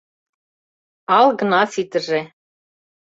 Ал гына ситыже.